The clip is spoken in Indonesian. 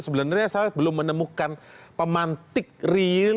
sebenarnya saya belum menemukan pemantik real